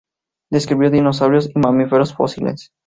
Describió dinosaurios y mamíferos fósiles.